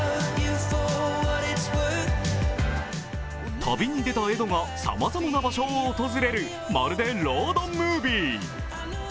旅に出たエドが、様々な場所を訪れる、まるでロードムービー。